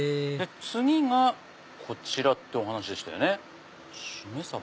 次がこちらってお話でしたよねシメサバ。